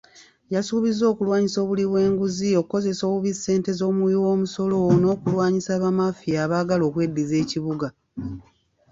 Yasuubizza okulwanyisa obuli bw'enguzi, okukozesa obubi ssente z'omuwi w'omusolo n'okulwanyisa bamaafiya abaagala okweddiza ekibuga.